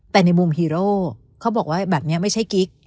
แต่ในมุมฮีโร่เขาบอกว่าแบบนี้ไม่ใช่กิ๊ก